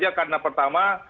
bisa saja karena pertama